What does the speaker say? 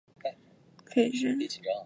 栽培山黧豆是一种豆科植物。